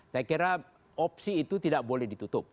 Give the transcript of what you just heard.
saya kira opsi itu tidak boleh ditutup